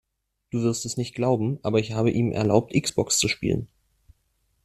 Du wirst es nicht glauben, aber ich habe ihm erlaubt X-Box zu spielen.